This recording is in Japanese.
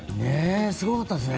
すごかったですね。